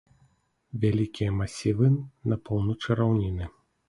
Вялікія масівы на поўначы раўніны.